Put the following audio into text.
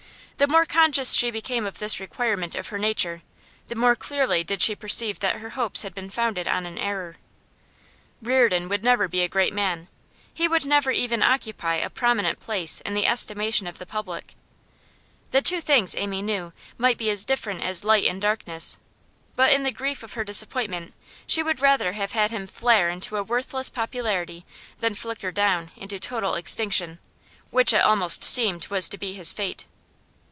The more conscious she became of this requirement of her nature, the more clearly did she perceive that her hopes had been founded on an error. Reardon would never be a great man; he would never even occupy a prominent place in the estimation of the public. The two things, Amy knew, might be as different as light and darkness; but in the grief of her disappointment she would rather have had him flare into a worthless popularity than flicker down into total extinction, which it almost seemed was to be his fate.